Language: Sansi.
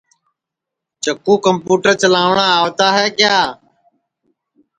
چکُو کمپوٹر چلاٹؔا آوتا ہے کیا